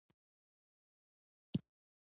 د سټول کلچر د معدې جراثیم ښيي.